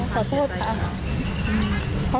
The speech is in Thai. ขอโทษครับ